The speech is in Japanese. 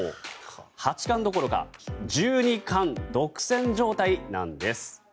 八冠どころか十二冠独占状態なんです。